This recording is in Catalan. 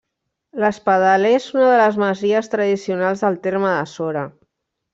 L'Espadaler és una de les masies tradicionals del terme de Sora.